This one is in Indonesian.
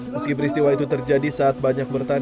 meski peristiwa itu terjadi saat banyak bertahan